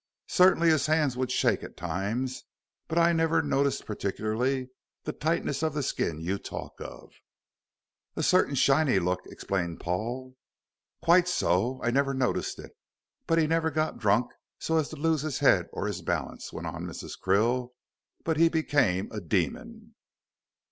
Certainly his hands would shake at times, but I never noticed particularly the tightness of the skin you talk of." "A certain shiny look," explained Paul. "Quite so. I never noticed it. But he never got drunk so as to lose his head or his balance," went on Mrs. Krill; "but he became a demon."